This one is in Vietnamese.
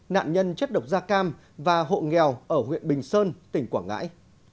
nạn nhân chất độc da cam và hộ nghèo ở huyện bình sơn tỉnh quảng ngãi